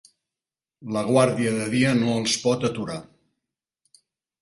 La Guàrdia de Dia no els pot aturar.